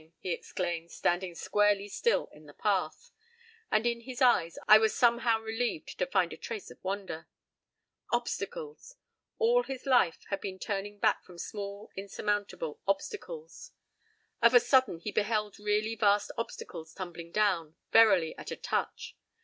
i>" he exclaimed, standing squarely still in the path. And in his eyes I was somehow relieved to find a trace of wonder.Obstacles! All his life had been a turning back from small, insurmountable obstacles. Of a sudden he beheld really vast obstacles tumbling down, verily at a touch.